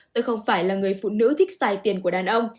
tôi không phải là người phụ nữ thích xài tiền của đàn ông